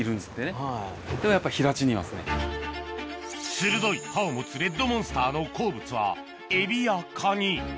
鋭い歯を持つレッドモンスターの好物はエビやカニ